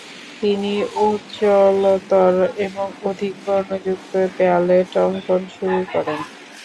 তিনি উজ্জ্বলতর এবং অধিক বর্ণযুক্ত প্যালেট অঙ্কন শুরু করেন।